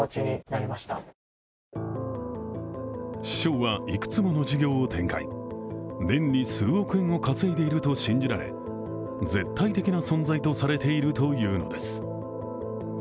師匠はいくつもの事業を展開年に数億円を稼いでいると信じられ絶対的な存在とされているというのです。